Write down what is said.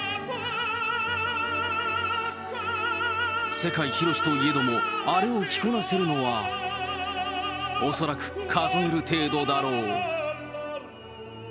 世界広しといえども、あれを着こなせるのは、恐らく数える程度だろう。